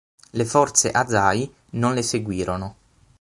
Le forze Azai non le seguirono.